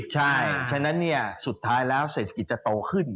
ใช่ฉะนั้นสุดท้ายแล้วเศรษฐกิจจะโตขึ้น